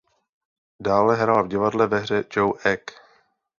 Dále hrála v divadle ve hře "Joe Egg".